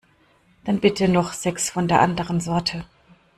Dann bitte noch sechs von der anderen Sorte.